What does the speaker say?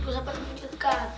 enggak usah pada deg degan